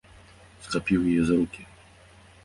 Схапіў яе за рукі.